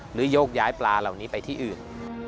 โยกย้ายปลาเหล่านี้ไปที่อื่น